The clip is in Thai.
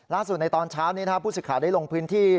ล่าสุดในตอนเช้านี้ผู้ศึกษาได้ลงพื้นที่